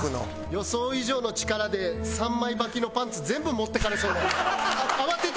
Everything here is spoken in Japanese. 予想以上の力で３枚ばきのパンツ全部持っていかれそうになりました。